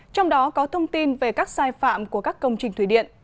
trong đó có thông tin về các sai phạm của các công trình thủy điện